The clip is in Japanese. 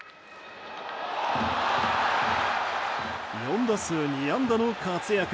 ４打数２安打の活躍。